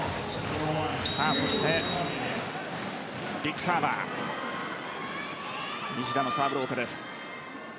そして、ビッグサーバー西田のサーブローテです。